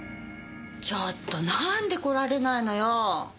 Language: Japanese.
ちょっとなんで来られないのよぉ！